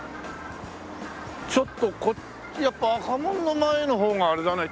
ちょっとこっちやっぱ赤門の前の方があれだね。